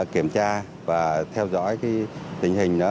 kiểm tra và theo dõi cái tình hình đó